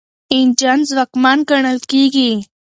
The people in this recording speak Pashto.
انجن ځواکمن ګڼل کیږي.